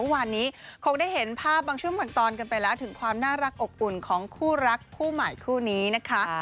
วันนี้คงได้เห็นภาพบางช่วงบางตอนกันไปแล้วถึงความน่ารักอบอุ่นของคู่รักคู่ใหม่คู่นี้นะคะ